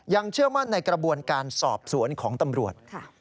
เชื่อมั่นในกระบวนการสอบสวนของตำรวจ